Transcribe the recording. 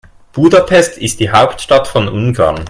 Budapest ist die Hauptstadt von Ungarn.